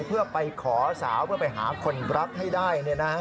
เพื่อไปขอสาวเพื่อไปหาคนรักให้ได้